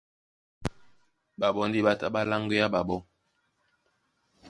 Ɓaɓɔ́ ndé ɓá tá ɓá láŋgwea ɓaɓó.